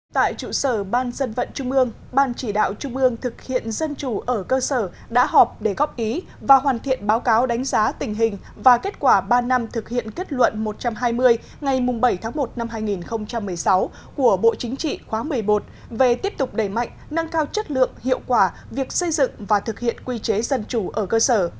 tại trụ sở ban dân vận trung ương ban chỉ đạo trung ương thực hiện dân chủ ở cơ sở đã họp để góp ý và hoàn thiện báo cáo đánh giá tình hình và kết quả ba năm thực hiện kết luận một trăm hai mươi ngày bảy tháng một năm hai nghìn một mươi sáu của bộ chính trị khóa một mươi một về tiếp tục đẩy mạnh nâng cao chất lượng hiệu quả việc xây dựng và thực hiện quy chế dân chủ ở cơ sở